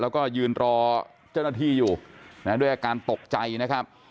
แล้วก็ยืนรอเจ้าหน้าที่อยู่นะด้วยอาการตกใจนะครับ